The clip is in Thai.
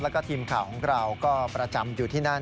แล้วก็ทีมข่าวของเราก็ประจำอยู่ที่นั่น